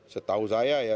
setahu saya ya